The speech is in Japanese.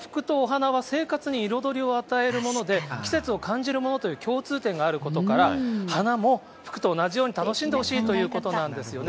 洋服とお花は生活に彩りを与えるもので、季節を感じるものという共通点があることから、花も服と同じように楽しんでほしいということなんですよね。